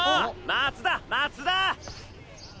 松田松田！